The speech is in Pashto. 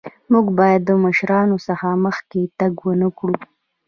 مونږ باید د مشرانو څخه مخکې تګ ونکړو.